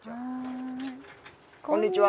こんにちは。